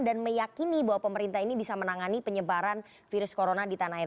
dan meyakini bahwa pemerintah ini bisa menangani penyebaran virus corona di tanah air